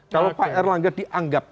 kalau pak erlangga dianggap